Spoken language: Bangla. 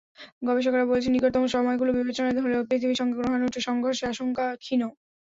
গবেষকেরা বলছেন, নিকটতম সময়গুলো বিবেচনায় ধরলেও পৃথিবীর সঙ্গে গ্রহাণুটির সংঘর্ষের আশঙ্কা ক্ষীণ।